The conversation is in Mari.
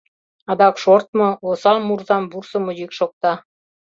Адак шортмо, осал мурзам вурсымо йӱк шокта.